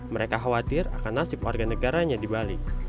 mereka khawatir akan nasib warga negaranya di bali